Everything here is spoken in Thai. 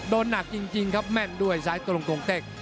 หนักจริงครับแม่นด้วยซ้ายตรงเต็ก